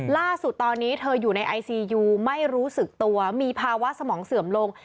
ล่าสุดตอนนี้เธออยู่ในไอซียูไม่รู้สึกตัวมีภาวะสมองเสื่อมลง